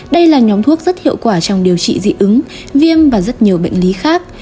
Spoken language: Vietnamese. đây là nhóm thuốc rất hiệu quả trong điều trị dị ứng viêm và rất nhiều bệnh lý khác